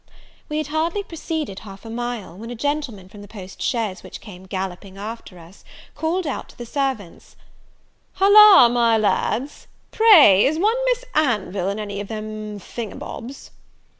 We had hardly proceeded half a mile, when a gentleman from the post chaise which came gallopping after us, called out to the servants, "Holla, my lads! pray, is one Miss Anville in any of them thing em bobs?"